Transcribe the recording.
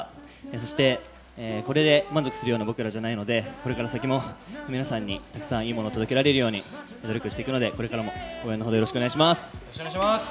そしてこれで満足するような僕らじゃないので、これから先も皆さんに沢山いいものを届けられるように努力していくので、これからも応援よろしくお願いします。